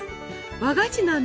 和菓子なの？